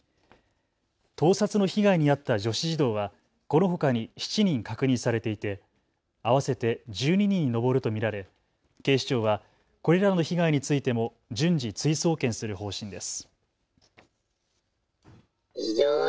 盗撮の被害に遭った女子児童はこのほかに７人確認されていて合わせて１２人に上ると見られ警視庁はこれらの被害についても順次、追送検する方針です。